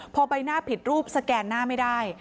พอใบหน้าผิดรูปสแกนหน้าไม่ได้